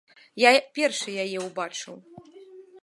Я першы яе ўбачыў.